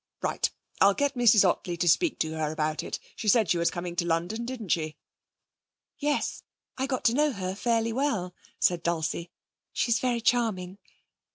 'Right. I'll get Mrs Ottley to speak to her about it. She said she was coming to London, didn't she?' 'Yes. I got to know her fairly well,' said Dulcie. 'She's very charming.'